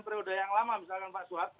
periode yang lama misalkan pak soeharto